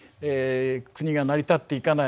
国が成り立っていかない。